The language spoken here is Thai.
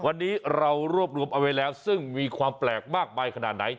วันนี้เรารวบรวมเอาไว้แล้วซึ่งมีความแปลกมากมายขนาดไหน